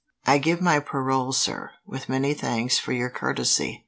"I give my parole, sir, with many thanks for your courtesy."